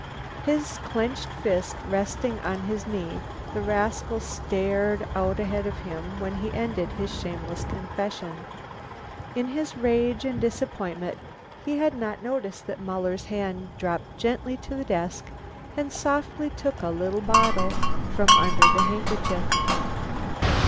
His clenched fist resting on his knee, the rascal stared out ahead of him when he ended his shameless confession. In his rage and disappointment he had not noticed that Muller's hand dropped gently to the desk and softly took a little bottle from under the handkerchief.